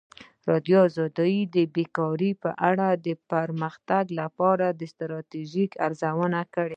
ازادي راډیو د بیکاري په اړه د پرمختګ لپاره د ستراتیژۍ ارزونه کړې.